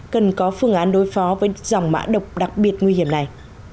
cần có phương án đối phó với dòng mã độc đặc biệt nguy hiểm này